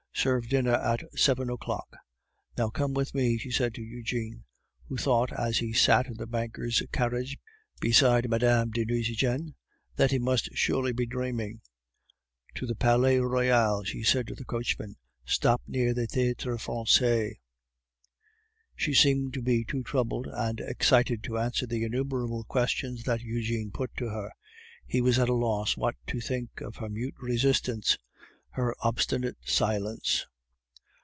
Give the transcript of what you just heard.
Serve dinner at seven o'clock." "Now, come with me," she said to Eugene, who thought as he sat in the banker's carriage beside Mme. de Nucingen that he must surely be dreaming. "To the Palais Royal," she said to the coachman; "stop near the Theatre Francais." She seemed to be too troubled and excited to answer the innumerable questions that Eugene put to her. He was at a loss what to think of her mute resistance, her obstinate silence.